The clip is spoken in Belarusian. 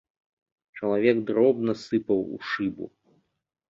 Чалавек дробна сыпаў у шыбу.